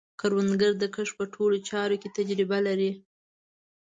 کروندګر د کښت په ټولو چارو کې تجربه لري